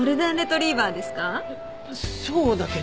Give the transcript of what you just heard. そうだけど。